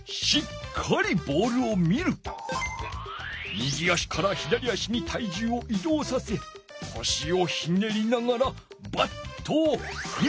右足から左足に体重を移動させこしをひねりながらバットをふる！